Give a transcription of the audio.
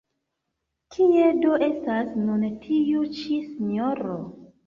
Kie do estas nun tiu ĉi sinjoro?